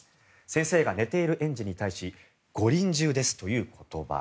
先生が寝ている園児に対しご臨終ですという言葉。